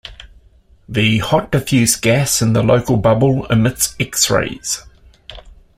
The hot diffuse gas in the Local Bubble emits X-rays.